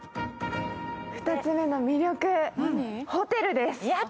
２つ目の魅力、ホテルです。